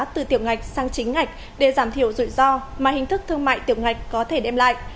từ tiểu ngạch sang chính ngạch để giảm thiểu rủi ro mà hình thức thương mại tiểu ngạch có thể đem lại